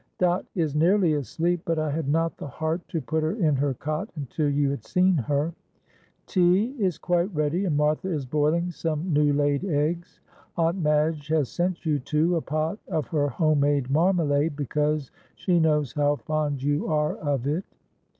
"Dot is nearly asleep, but I had not the heart to put her in her cot until you had seen her; tea is quite ready, and Martha is boiling some new laid eggs. Aunt Madge has sent you, too, a pot of her home made marmalade, because she knows how fond you are of it.